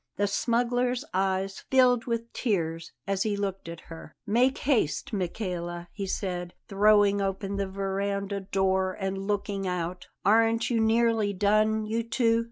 The smuggler's eyes filled with tears as he looked at her. "Make haste, Michele!" he said, throwing open the verandah door and looking out. "Aren't you nearly done, you two?